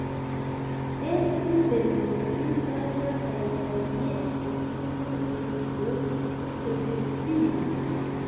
Estu de nun pli saĝa kaj jam ne okupu vin kun servistinoj.